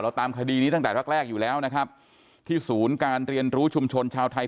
ตามคดีนี้ตั้งแต่แรกแรกอยู่แล้วนะครับที่ศูนย์การเรียนรู้ชุมชนชาวไทย